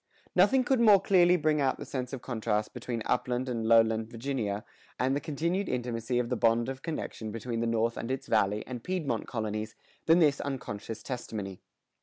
Nothing could more clearly bring out the sense of contrast between upland and lowland Virginia, and the continued intimacy of the bond of connection between the North and its Valley and Piedmont colonies, than this unconscious testimony.